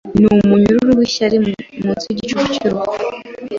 Numunyururu wishyari Munsi yigicucu cyurupfu